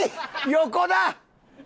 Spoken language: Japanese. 横だ！